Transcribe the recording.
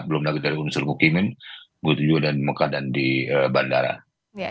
belum lagi dari unsur mukimin butuh dan mekah dan di bandara